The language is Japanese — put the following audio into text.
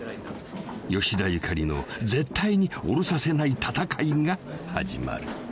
［吉田ゆかりの絶対に降ろさせない闘いが始まる］